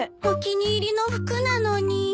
お気に入りの服なのに。